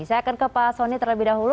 saya akan ke pak soni terlebih dahulu